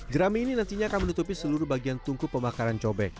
gerami ini nantinya akan menutupi seluruh bagian tungku pemakaran cobek